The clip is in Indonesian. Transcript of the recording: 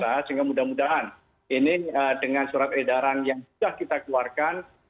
sehingga mudah mudahan ini dengan surat edaran yang sudah kita keluarkan